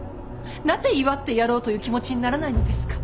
なぜ祝ってやろうという気持ちにならないのですか。